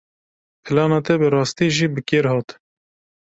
Plana te bi rastî jî bi kêr hat.